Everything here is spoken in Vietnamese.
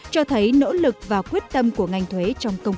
cho thấy nỗ lực và quyết tâm của ngành thuế trong công